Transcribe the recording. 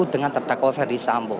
dengan tertakwa ferdis sambo